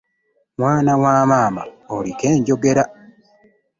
Mwana wa maama oliko enjogera!